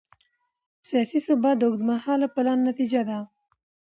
سیاسي ثبات د اوږدمهاله پلان نتیجه ده